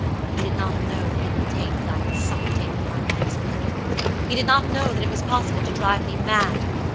He did not know the hidden taint that I had sucked in with my mother's milk. He did not know that it was possible to drive me mad.